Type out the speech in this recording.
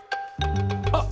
あっ！